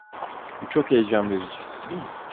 Bu çok heyecan verici.